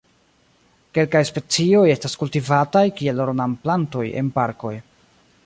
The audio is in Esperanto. Kelkaj specioj estas kultivataj kiel ornamplantoj en parkoj.